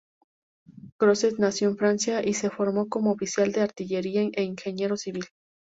Crozet nació en Francia y se formó como oficial de artillería e ingeniero civil.